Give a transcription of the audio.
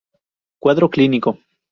Cuadro clínico.